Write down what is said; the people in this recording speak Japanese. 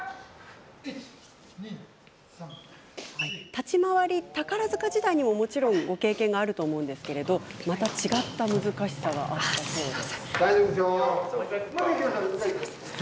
立ち回り、宝塚時代にももちろんご経験はありますがまた違った難しさがあるそうです。